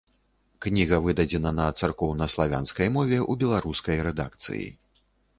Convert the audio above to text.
Кніга выдадзена на царкоўна-славянскай мове ў беларускай рэдакцыі.